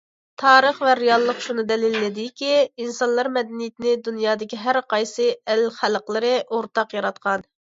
تارىخ ۋە رېئاللىق شۇنى دەلىللىدىكى، ئىنسانلار مەدەنىيىتىنى دۇنيادىكى ھەر قايسى ئەل خەلقلىرى ئورتاق ياراتقان.